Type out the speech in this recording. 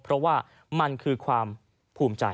เพราะว่ามันคือความภูมิใจ